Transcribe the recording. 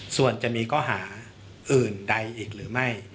ส่วนจะมีข้อหาอื่นใดอีกหรือไม่